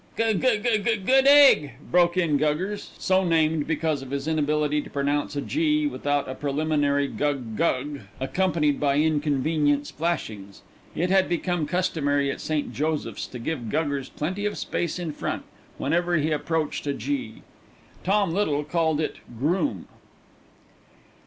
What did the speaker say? "Gug gug good egg!" broke in Guggers, so named because of his inability to pronounce a "g" without a preliminary "gug gug" accompanied by inconvenient splashings. It had become customary at St. Joseph's to give Guggers plenty of space in front, whenever he approached a "g." Tom Little called it "Groom."